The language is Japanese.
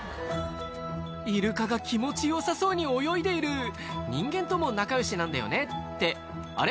イルカが気持ちよさそうに泳いでいる人間とも仲良しなんだよねってあれ？